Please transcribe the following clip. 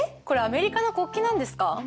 これアメリカの国旗なんですか？